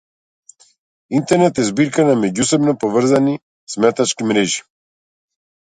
Интернет е збирка на меѓусебно поврзани сметачки мрежи.